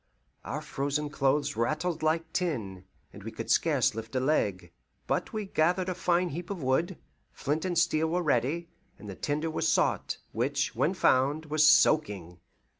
Our frozen clothes rattled like tin, and we could scarce lift a leg. But we gathered a fine heap of wood, flint and steel were ready, and the tinder was sought; which, when found, was soaking.